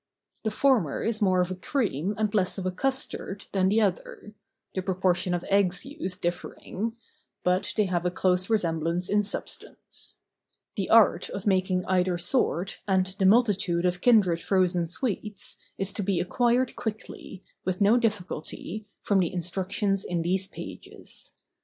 The former is more of a cream and less of a custard than the other—the propor¬ tion of eggs used differing—but they have a close resem¬ blance in substance. The art of making either sort, and the multitude of kindred frozen sweets, is to be acquired quickly, with no difficulty, from the instructions in these pages.